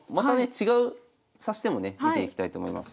違う指し手もね見ていきたいと思います。